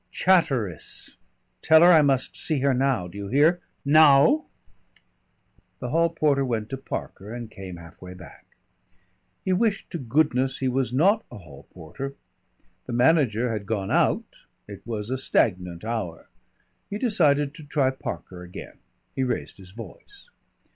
"Chatteris. Tell her I must see her now. Do you hear, now?" The hall porter went to Parker, and came half way back. He wished to goodness he was not a hall porter. The manager had gone out it was a stagnant hour. He decided to try Parker again; he raised his voice.